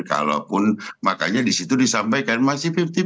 kalaupun makanya disitu disampaikan masih lima puluh